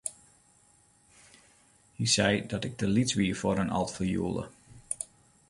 Hy sei dat ik te lyts wie foar in altfioele.